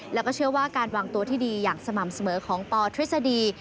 แล้วก็เชื่อว่าการวางตัวที่ดีอย่างสม่ำเสมอของปทฤษฎี